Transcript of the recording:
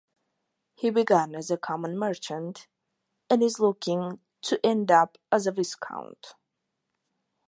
He began as a common merchant and is looking to end up as a Viscount.